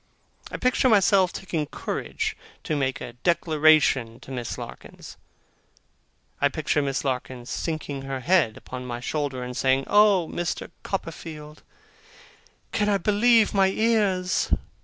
I picture myself taking courage to make a declaration to Miss Larkins. I picture Miss Larkins sinking her head upon my shoulder, and saying, 'Oh, Mr. Copperfield, can I believe my ears!